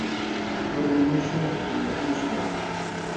urqu mishii uqrakashqa.